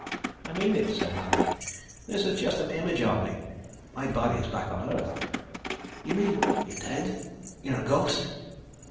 "I mean it," said Manning. "This is just an image of me. My body is back on Earth." "You mean you're dead? You're a ghost?"